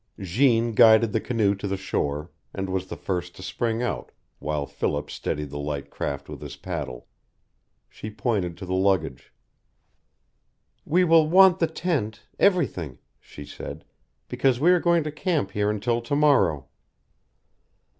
Jeanne guided the canoe to the shore, and was the first to spring out, while Philip steadied the light craft with his paddle. She pointed to the luggage. "We will want the tent everything," she said, "because we are going to camp here until to morrow."